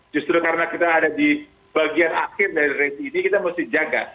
justru karena kita ada di bagian akhir dari raci ini kita mesti jaga